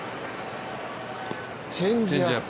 チェンジアップ。